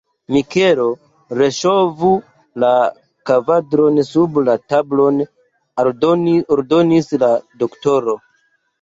Mikelo, reŝovu la kadavron sub la tablon, ordonis la doktoro.